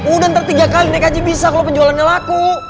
udah ntar tiga kali naik haji bisa kalau penjualannya laku